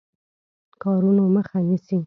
کارونو مخه نیسي.